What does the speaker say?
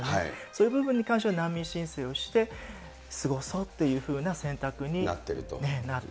そういう部分に関しては、難民申請をして、過ごそうっていうふうな選択になる。